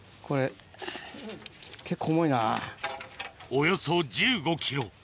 およそ１５ｋｇ